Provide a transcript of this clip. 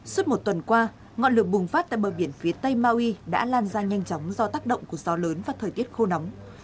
suốt một tuần qua ngọn lửa bùng phát tại bờ biển phía tây maui đã lan ra nhanh chóng do tác động của gió lớn và thời tiết khô nóng